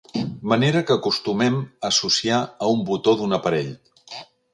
Manera que acostumem a associar a un botó d'un aparell.